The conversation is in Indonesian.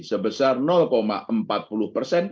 sebesar empat puluh persen